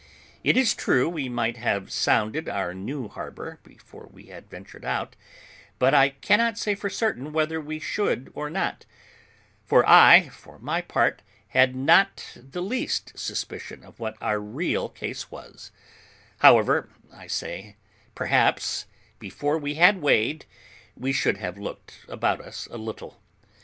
It is true we might have sounded our new harbour before we had ventured out, but I cannot say for certain whether we should or not; for I, for my part, had not the least suspicion of what our real case was; however, I say, perhaps, before we had weighed, we should have looked about us a little.